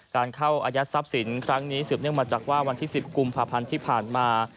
การเข้าอายัดทรัพย์สินครั้งนี้สืบเนื่องมาจากว่าวันที่๑๐กุมภาพันธ์ที่ผ่านมา